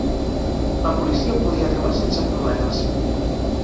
La policia em podia trobar sense problemes.